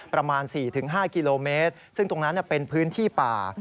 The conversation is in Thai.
ประมาณ๔๕กิโลเมตรซึ่งตรงนั้นเป็นพื้นที่ป่า